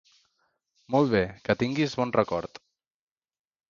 Molt bé, que tinguis bon record!